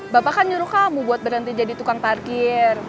bapak kan nyuruh kamu buat berhenti jadi tukang parkir